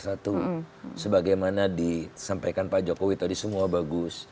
satu sebagaimana disampaikan pak jokowi tadi semua bagus